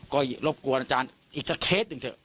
ก็รบกวนอาจารย์อีกสักเคสหนึ่งเถอะ